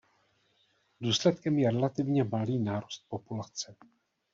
Důsledkem je relativně malý růst populace.